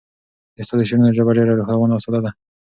د استاد د شعرونو ژبه ډېره روانه او ساده ده.